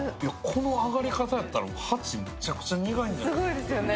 この上がり方やったら８、めちゃくちゃ苦い。